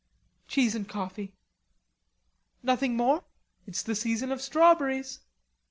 "Cheese and coffee." "Nothing more? It's the season of strawberries."